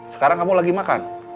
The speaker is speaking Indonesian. sekarang kamu lagi makan